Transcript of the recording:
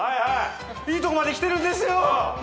いいとこまできてるんですよ！